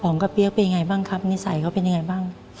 กระเปี๊ยกเป็นยังไงบ้างครับนิสัยเขาเป็นยังไงบ้าง